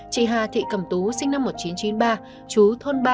chị hà thị cầm tú sinh năm một nghìn chín trăm chín mươi ba chú thôn ba